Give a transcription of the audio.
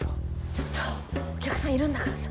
ちょっとお客さんいるんだからさ。